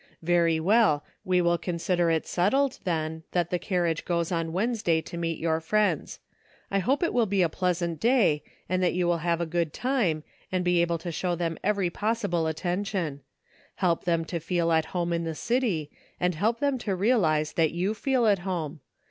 Very well, we will consider it settled, then, that the carriage goes on Wednesday to meet your friends. I hope it will be a pleasant day, and that you will have a good time, and be able to show them every possible attention ; help them to feel at home in the city, and help them to realize that you feel at home.